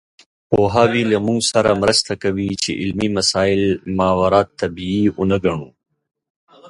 پوهاوی له موږ سره مرسته کوي چې علمي مسایل ماورالطبیعي ونه ګڼو.